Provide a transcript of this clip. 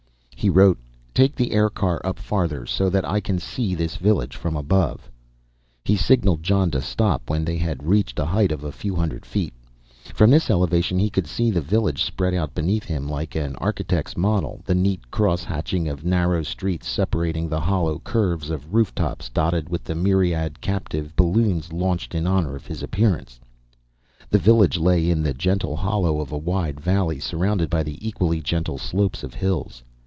He wrote, "Take the aircar up farther, so that I can see this village from above." He signaled John to stop when they had reached a height of a few hundred feet. From this elevation, he could see the village spread out beneath him like an architect's model the neat cross hatching of narrow streets separating the hollow curves of rooftops, dotted with the myriad captive balloons launched in honor of his appearance. The village lay in the gentle hollow of a wide valley, surrounded by the equally gentle slopes of hills.